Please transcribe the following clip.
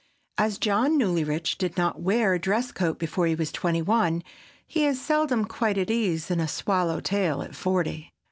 As John Newlyrich did not wear a dress coat before he was twenty one he is seldom quite at ease in a "swallow tail" at forty.